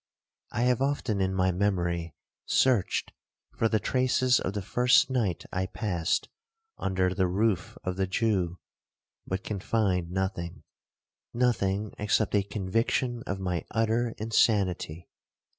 I have often in my memory searched for the traces of the first night I passed under the roof of the Jew, but can find nothing,—nothing except a conviction of my utter insanity.